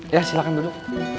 ya silahkan duduk